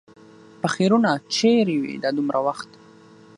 پخيرونو! چېرې وې دا دومره وخت؟